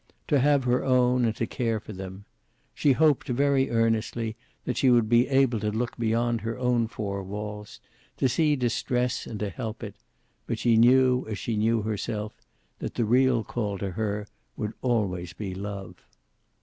To have her own and to care for them. She hoped, very earnestly, that she would be able to look beyond her own four walls, to see distress and to help it, but she knew, as she knew herself, that the real call to her would always be love.